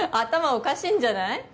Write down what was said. おかしいんじゃない？